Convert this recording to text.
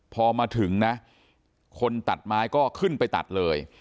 พอมาถึงนะคนตัดไม้ก็ขึ้นไปตัดเลย